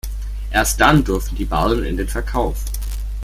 Erst dann durften die Barren in den Verkauf.